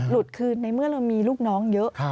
คือในเมื่อเรามีลูกน้องเยอะ